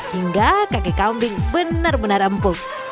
hingga kaki kambing benar benar empuk